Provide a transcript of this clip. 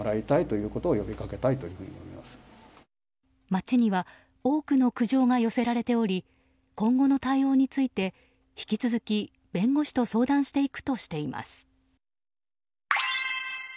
町には多くの苦情が寄せられており今後の対応について引き続き弁護士と相談していくとしています。